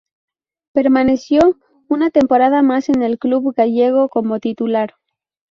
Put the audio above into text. Permaneció una temporada más en el club gallego como titular.